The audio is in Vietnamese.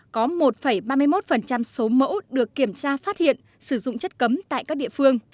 có một ba mươi một số mẫu được kiểm tra phát hiện sử dụng chất cấm tại các địa phương